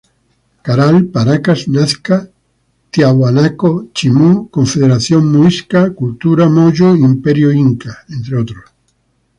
Caral, Paracas, Nazca, Tiahuanaco, Chimú, Confederación Muisca, cultura mollo, Imperio Inca entre otros.